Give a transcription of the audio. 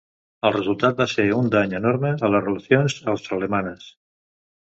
El resultat va ser un dany enorme a les relacions austroalemanes.